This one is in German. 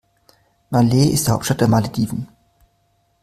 Malé ist die Hauptstadt der Malediven.